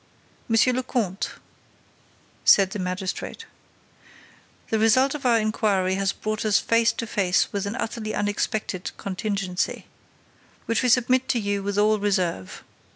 "Monsieur le Comte," said the magistrate, "the result of our inquiry has brought us face to face with an utterly unexpected contingency, which we submit to you with all reserve.